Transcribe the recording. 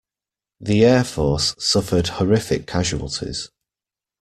The air force suffered horrific casualties.